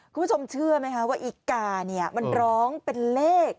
คุณผู้ชมเชื่อไหมคะว่าอีกาเนี่ยมันร้องเป็นเลข